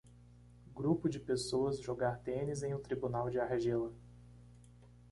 Grupo de pessoas jogar tênis em um tribunal de argila.